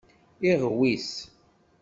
Iɣwis.